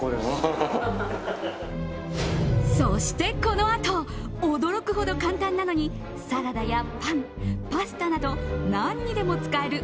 そして、このあと驚くほど簡単なのにサラダやパン、パスタなど何にでも使える